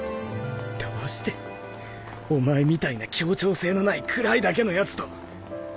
どうしてお前みたいな協調性のない暗いだけの奴と。